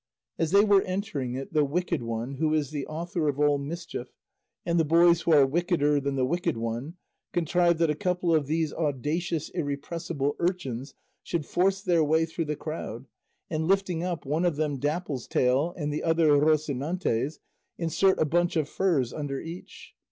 As they were entering it, the wicked one, who is the author of all mischief, and the boys who are wickeder than the wicked one, contrived that a couple of these audacious irrepressible urchins should force their way through the crowd, and lifting up, one of them Dapple's tail and the other Rocinante's, insert a bunch of furze under each.